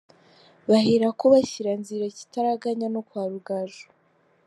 Bahera ko bashyira nzira ikitaraganya no kwa Rugaju.